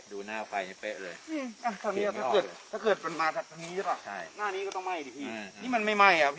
ดูหน้าวันไฟก็น่าจะเป๊ะ